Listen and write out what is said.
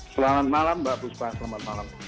selamat malam mbak buspa selamat malam